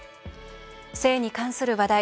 性に関する話題。